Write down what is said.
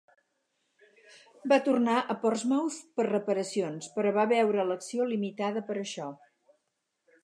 Va tornar a Portsmouth per reparacions però va veure l'acció limitada per això.